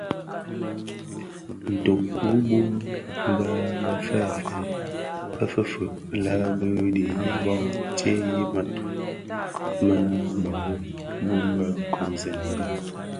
Ntug wu bum bë bè fèëfèg lè bi dhiyis bö tseghi mëtug me bhehho bum bë komzèn ňyi.